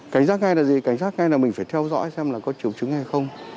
cảnh giác ngay là gì cảnh giác ngay là mình phải theo dõi xem là có triệu chứng hay không